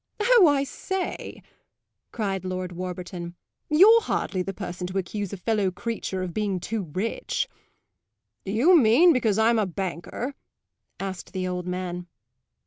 "Oh, I say," cried Lord Warburton, "you're hardly the person to accuse a fellow creature of being too rich!" "Do you mean because I'm a banker?" asked the old man.